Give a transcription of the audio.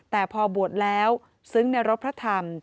แต่พอบวชแล้วซึ้งในรถพระธรรม